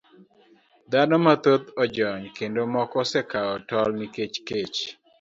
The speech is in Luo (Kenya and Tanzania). Dhano mathoth ojony kendo moko osekawo tol nikech kech.